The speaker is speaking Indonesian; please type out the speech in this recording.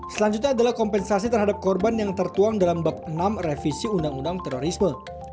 selanjutnya adalah kompensasi terhadap korban yang tertuang dalam bab enam revisi undang undang terorisme